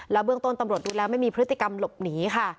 เบื้องต้นตำรวจดูแล้วไม่มีพฤติกรรมหลบหนีค่ะ